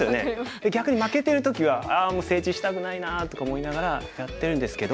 で逆に負けてる時は「ああもう整地したくないな」とか思いながらやってるんですけど。